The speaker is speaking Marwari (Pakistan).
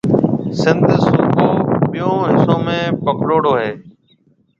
سنڌ صوبو ٻيون حصون ۾ پِکڙوڙو ھيَََ